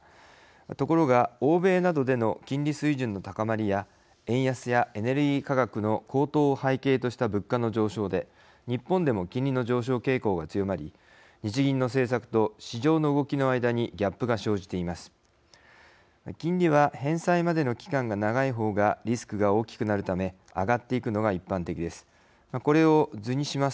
ところが、欧米などでの金利水準の高まりや円安やエネルギー価格の高騰を背景とした物価の上昇で日本でも金利の上昇傾向が強まり日銀の政策と市場の動きの間にギャップが生じています。